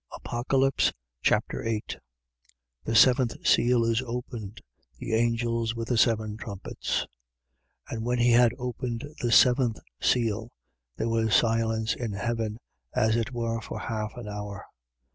Apocalypse Chapter 8 The seventh seal is opened. The angels with the seven trumpets. 8:1. And when he had opened the seventh seal, there was silence in heaven, as it were for half an hour.